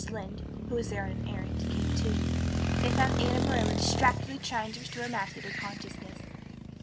Lynde, who was there on an errand, came too. They found Anne and Marilla distractedly trying to restore Matthew to consciousness.